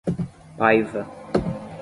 Paiva